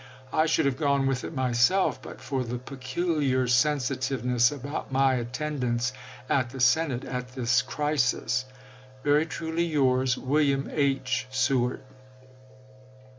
I should have gone with it myself, but for the peculiar sensitiveness about my attendance at the Senate at this crisis. _, Very truly yours, William H. Seward.